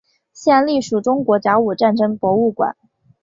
现隶属中国甲午战争博物馆。